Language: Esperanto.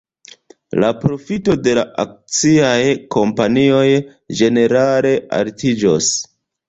La profito de la akciaj kompanioj ĝenerale altiĝos.